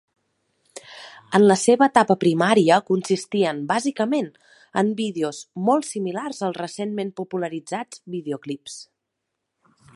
En la seva etapa primària consistien bàsicament en vídeos molt similars als recentment popularitzats videoclips.